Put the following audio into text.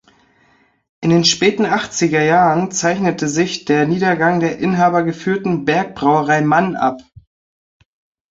In den späten achtziger Jahren zeichnete sich der Niedergang der inhabergeführten Berg-Brauerei Mann ab.